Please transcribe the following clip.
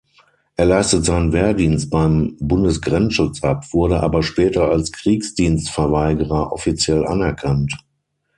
Er leistet seinen Wehrdienst beim Bundesgrenzschutz ab, wurde aber später als Kriegsdienstverweigerer offiziell anerkannt.